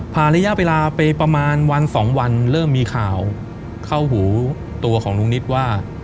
ระยะเวลาไปประมาณวันสองวันเริ่มมีข่าวเข้าหูตัวของลุงนิดว่า